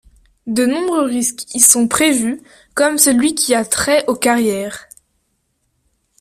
De nombreux risques y sont prévus, comme celui qui a trait aux carrières.